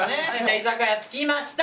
居酒屋着きました。